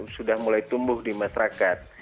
sudah mulai tumbuh di masyarakat